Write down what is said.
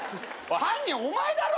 犯人お前だろ！？